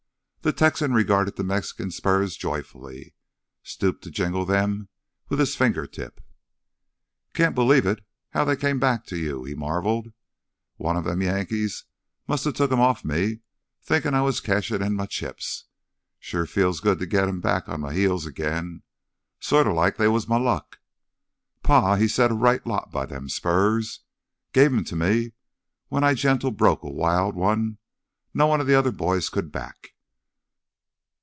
The Texan regarded the Mexican spurs joyfully, stooped to jingle them with his finger tip. "Can't believe it ... how they came back to you," he marveled. "One of them Yankees musta took 'em off me, thinkin' I was cashin' in m' chips. Sure feels good to git 'em back on my heels agin, sorta like they was m' luck. Pa, he set a right lot by them spurs. Gave 'em to me when I gentle broke a wild one none o' th' other boys could back.